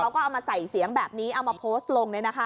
แล้วก็เอามาใส่เสียงแบบนี้เอามาโพสต์ลง